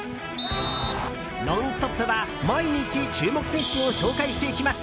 「ノンストップ！」は毎日、注目選手を紹介していきます。